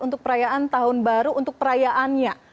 untuk perayaan tahun baru untuk perayaannya